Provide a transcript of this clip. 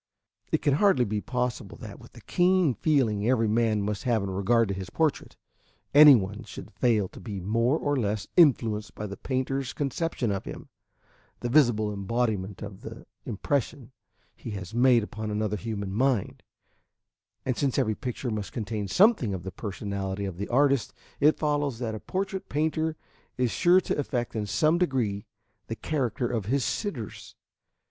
It can hardly be possible that, with the keen feeling every man must have in regard to his portrait, any one should fail to be more or less influenced by the painter's conception of him, the visible embodiment of the impression he has made upon another human mind; and since every picture must contain something of the personality of the artist, it follows that a portrait painter is sure to affect in some degree the character of his sitters.